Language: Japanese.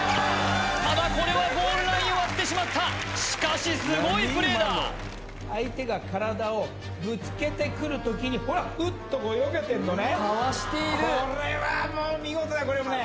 ただこれはゴールラインをわってしまったしかしすごいプレーだ相手が体をぶつけてくる時にほらフッとこうよけてんのねかわしているこれはもう見事だこれもね